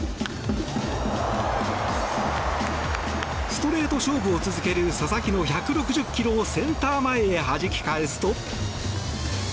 ストレート勝負を続ける佐々木の１６０ｋｍをセンター前へはじき返すと。